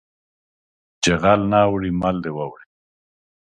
چې غل نه اوړي مال دې واوړي